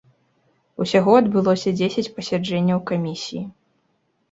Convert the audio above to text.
Усяго адбылося дзесяць пасяджэнняў камісіі.